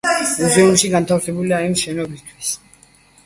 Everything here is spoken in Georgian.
მუზეუმი განთავსებული იმ შენობაში, სადაც განთავსებულია ქალაქის მერია.